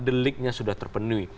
deliknya sudah terpenuhi